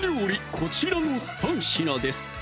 こちらの３品です